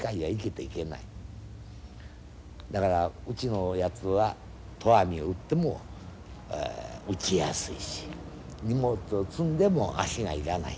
だからうちのやつは投網を打っても打ちやすいし荷物を積んでも足が要らない。